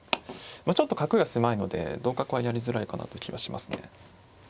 ちょっと角が狭いので同角はやりづらいかなという気がしますね。